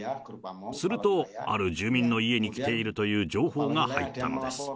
すると、ある住民の家に来ているという情報が入ったのです。